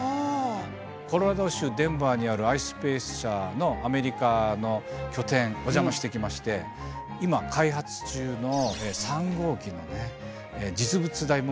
コロラド州デンバーにあるｉｓｐａｃｅ社のアメリカの拠点お邪魔してきまして今開発中の３号機のね実物大模型を拝見しました。